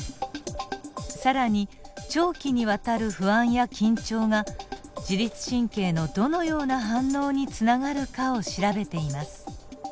更に長期にわたる不安や緊張が自律神経のどのような反応につながるかを調べています。